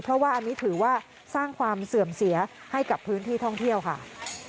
เพราะว่าอันนี้ถือว่าสร้างความเสื่อมเสียให้กับพื้นที่ท่องเที่ยวค่ะ